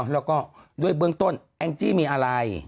แล้วก็ด้วยเบื้องต้นแองจี้มีอะไร